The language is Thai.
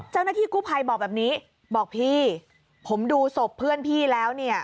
เจ้าหน้าที่กู้ภัยบอกแบบนี้บอกพี่ผมดูศพเพื่อนพี่แล้วเนี่ย